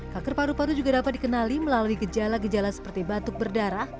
kanker paru paru juga dapat dikenali melalui gejala gejala seperti batuk berdarah